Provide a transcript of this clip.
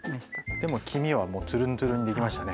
でも黄身はもうツルンツルンにできましたね。